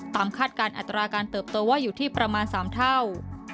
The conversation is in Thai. คาดการณ์อัตราการเติบโตว่าอยู่ที่ประมาณ๓เท่า